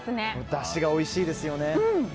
だしがおいしいですよね。